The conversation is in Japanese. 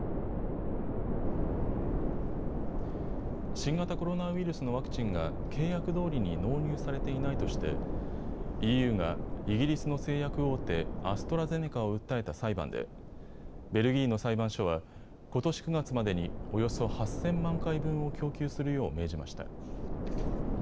新型コロナウイルスのワクチンが契約どおりに納入されていないとしてＥＵがイギリスの製薬大手、アストラゼネカを訴えた裁判でベルギーの裁判所はことし９月までにおよそ８０００万回分を供給するよう命じました。